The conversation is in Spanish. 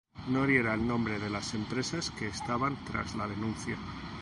no diera el nombre de las empresas que estaban tras la denuncia